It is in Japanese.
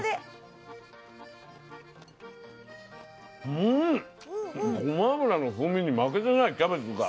うんごま油の風味に負けてないキャベツが。